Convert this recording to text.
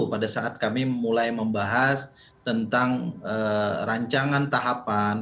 pada saat kami mulai membahas tentang rancangan tahapan